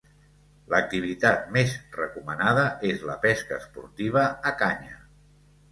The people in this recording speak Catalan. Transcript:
L'activitat més recomanada és la pesca esportiva a canya.